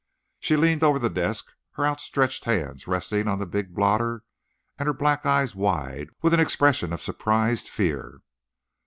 She leaned over the desk, her outstretched hands resting on the big blotter and her black eyes wide with an expression of surprised fear.